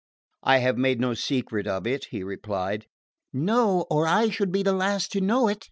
"I have made no secret of it," he replied. "No or I should be the last to know it!"